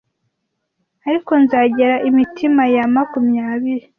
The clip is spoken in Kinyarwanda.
ariko nzegera imitima ya makumyabiri